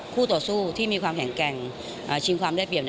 คู่ต่อสู้ที่มีความแข็งแกร่งชิงความได้เปรียบ